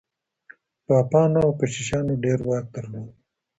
پاپانو او کشیشانو ډېر واک درلود.